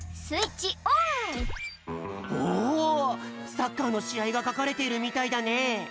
サッカーのしあいがかかれているみたいだね。